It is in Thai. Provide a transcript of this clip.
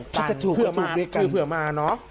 ถ้าถูกก็ถูกด้วยกันเผื่อมาเนอะ